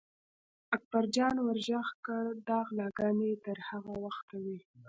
اکبر جان ور غږ کړل: دا غلاګانې تر هغه وخته وي.